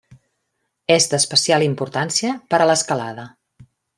És d'especial importància per a l'escalada.